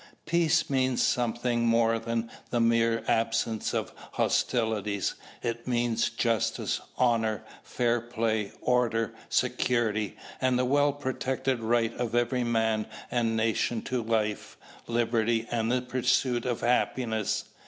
Peace means something more than the mere absence of hostilities. It means justice, honour, fair play, order, security, and the well protected right of every man and nation to life, liberty, and the pursuit of happiness.